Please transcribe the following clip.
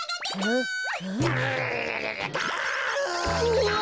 うわ！